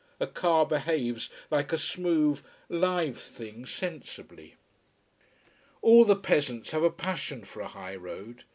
A car behaves like a smooth, live thing, sensibly. All the peasants have a passion for a high road.